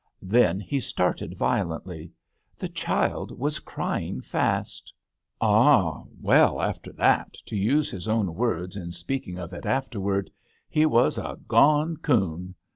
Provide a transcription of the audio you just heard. Then he started violently ; the child was crying fast. Ah ! well, after that, to use his own words in speaking of it afterwards, he was "a gone coon."